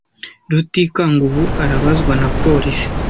Rutikanga ubu arabazwa na polisi.